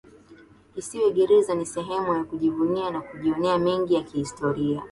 Kisiwa gereza ni sehemu ya kujivunia na kujionea mengi ya kihistoria